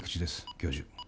教授